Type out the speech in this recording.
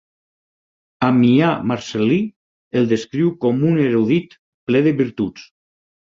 Ammià Marcel·lí el descriu com un erudit ple de virtuts.